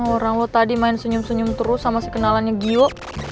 orang lo tadi main senyum senyum terus sama si kenalannya giyo